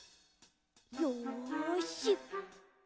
よし！